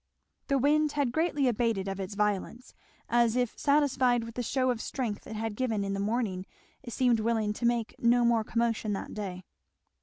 The wind had greatly abated of its violence; as if satisfied with the shew of strength it had given in the morning it seemed willing to make no more commotion that day.